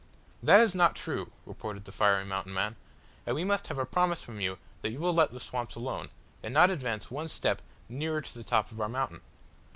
"That is not true," retorted the fiery Mountain man, "and we must have a promise from you that you will let the swamps alone, and not advance one step nearer to the top of our mountain."